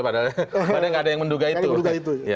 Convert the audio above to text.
padahal nggak ada yang menduga itu